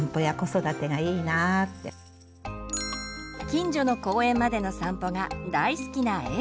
近所の公園までの散歩が大好きなえ